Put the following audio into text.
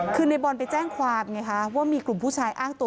คือในบอลไปแจ้งความไงคะว่ามีกลุ่มผู้ชายอ้างตัว